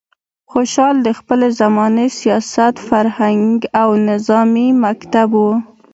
خوشحال د خپلې زمانې سیاست، فرهنګ او نظامي مکتب و.